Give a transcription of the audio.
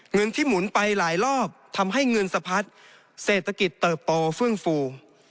เงินที่หมุนไปหลายรอบทำให้เงินสะพัดเศรษฐกิจเติบโตเฟื่องฟู